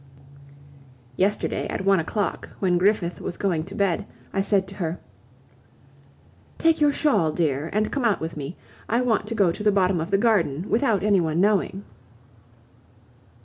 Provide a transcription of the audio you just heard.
Yesterday at one o'clock, when Griffith was going to bed, I said to her: "Take your shawl, dear, and come out with me. I want to go to the bottom of the garden without anyone knowing."